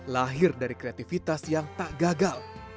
lahir dari kreativitas yang tak gagal